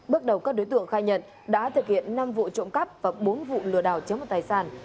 bước đầu các đối tượng khai nhận đã thực hiện năm vụ trộm cắp và bốn vụ lừa đào chế một tài sản